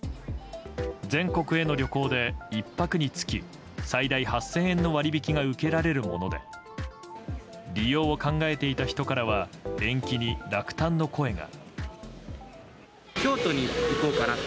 全国への旅行で１泊につき最大８０００円の割引が受けられるもので利用を考えていた人からは延期に落胆の声が。